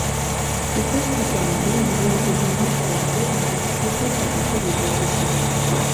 উপস্থাপনাটি নিজেই একটি বৃহৎ সভা থেকে তিনটি ছোট সভাতে বিভক্ত ছিল।